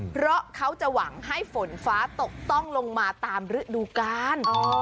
เพราะเขาจะหวังให้ฝนฟ้าตกต้องลงมาตามฤดูกาล